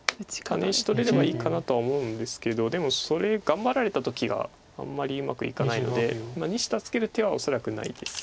タネ石取れればいいかなとは思うんですけどでもそれ頑張られた時があんまりうまくいかないので２子助ける手は恐らくないです。